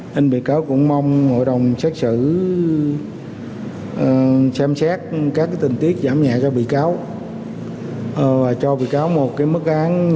nên bị cáo cũng mong hội đồng xét xử xem xét các cái tình tiết giảm nhẹ cho bị cáo và cho bị cáo một cái mức án nhẹ